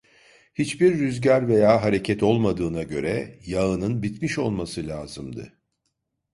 Hiçbir rüzgar veya hareket olmadığına göre, yağının bitmiş olması lazımdı.